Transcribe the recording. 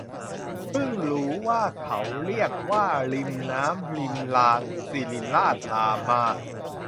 เพิ่งรู้ว่าเขาเรียกว่า ริมน้ำ - ริมราง ศิริราช - รามา